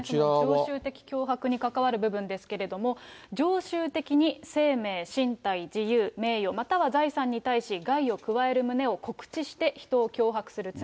常習的脅迫に関わる部分ですけれども、常習的に生命、身体、自由、名誉、または財産に対し、害を加える旨を告知して人を脅迫する罪。